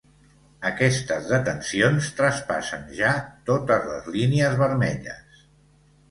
Aquestes detencions traspassen ja totes les línies vermelles.